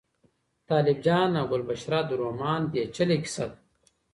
طالب جان او ګلبشره د رومان پېچلې کیسه ده.